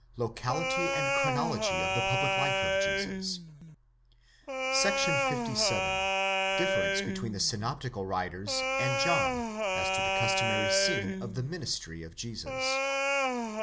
LOCALITY AND CHRONOLOGY OF THE PUBLIC LIFE OF JESUS. ὃ 57. DIFFERENCE BETWEEN THE SYNOPTICAL WRITERS AND JOHN, AS TO THE CUSTOMARY SCENE OF THE MINISTRY OF JESUS.